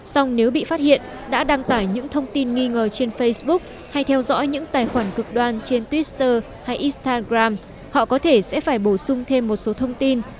xong nếu bị phát hiện đã đăng tải những thông tin nghi ngờ trên facebook hay theo dõi những tài khoản cực đoan trên twitter hay instagram họ có thể sẽ phải bổ sung thêm một số thông tin